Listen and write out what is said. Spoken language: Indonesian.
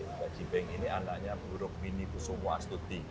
mbak jibeng ini anaknya berurung mini pusumuastuti